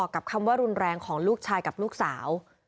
กับคำว่ารุนแรงของลูกชายกับลูกสาว